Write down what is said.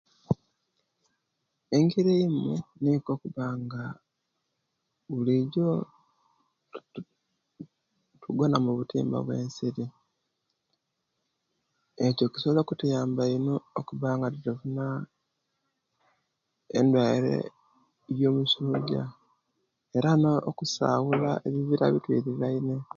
Engeri eyimu nikwo okuba nga bulijo tugona mubutimba bwensiri era ekyo kisobola okutuyamba ino okuba nga twewala endwaire eyo musuja era nokusabula ebibira ebikwiriraine